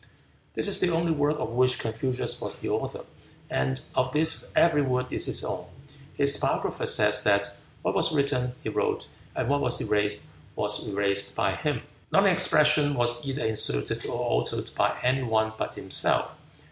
This is the only work of which Confucius was the author, and of this every word is his own. His biographers say that "what was written, he wrote, and what was erased, was erased by him." Not an expression was either inserted or altered by any one but himself.